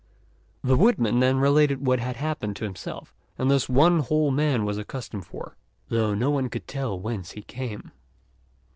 The woodsman then related what had happened to himself; and thus one whole man was accounted for, though no one could tell whence he came.